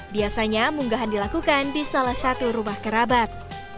biasanya munggahan dilakukan di salah satu rumah kerabat